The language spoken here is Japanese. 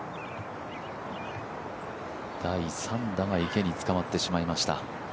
第３打が池に使ってしまいました